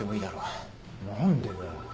何でだよ。